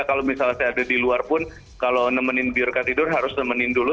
kalau misalnya saya ada di luar pun kalau nemenin biorka tidur harus nemenin dulu